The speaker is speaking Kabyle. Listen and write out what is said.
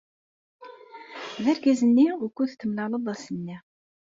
D argaz-nni ukud temlaleḍ ass-nni.